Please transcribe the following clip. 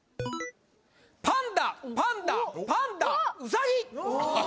パンダパンダパンダウサギ！